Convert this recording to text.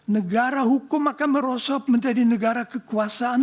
negara hukum akan merosot menjadi negara kekuasaan